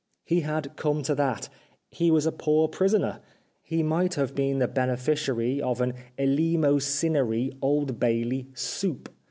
He had come to that : he was a poor prisoner : he might have been the bene ficiary of an eleemosynary Old Bailey "soup."